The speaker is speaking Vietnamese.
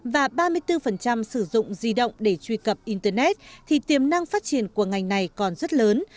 và ba mươi bốn sử dụng di động để truy cập internet thì tiềm năng phát triển của ngành này còn rất lớn